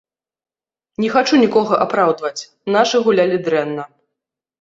Не хачу нікога апраўдваць, нашы гулялі дрэнна.